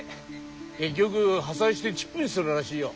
結局破砕してチップにするらしいよ。